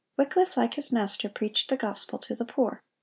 (118) Wycliffe, like his Master, preached the gospel to the poor.